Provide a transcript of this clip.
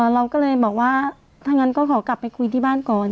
เราก็เลยบอกว่าถ้างั้นก็ขอกลับไปคุยที่บ้านก่อน